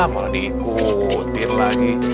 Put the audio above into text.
malah diikutin lagi